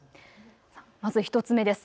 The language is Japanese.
まず１つ目です。